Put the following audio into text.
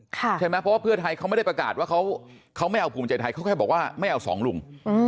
ใช่ไหมเพราะว่าเพื่อไทยเขาไม่ได้ประกาศว่าเขาไม่เอาภูมิใจไทยเขาแค่บอกว่าไม่เอาสองลุง